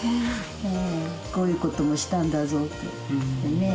こういうこともしたんだぞと。ねぇ。